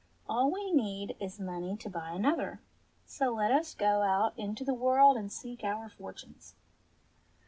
All we need is money to buy another. So let us go out into the world and seek our fortunes."